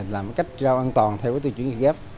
làm cách rau an toàn theo cái tư chuyển dịch ghép